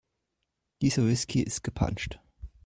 Dieser Whisky ist gepanscht.